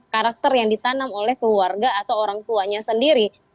karakter yang ditanam oleh keluarga atau orang tuanya sendiri